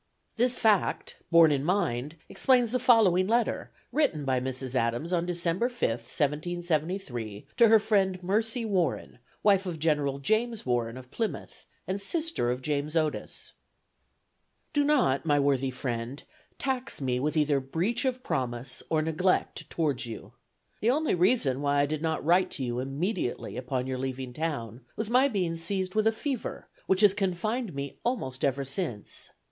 This fact, borne in mind, explains the following letter, written by Mrs. Adams on December 5th, 1773, to her friend, Mercy Warren, wife of General James Warren of Plymouth and sister of James Otis: "Do not, my worthy friend, tax me with either breach of promise or neglect towards you; the only reason why I did not write to you immediately upon your leaving town was my being seized with a fever, which has confined me almost ever since.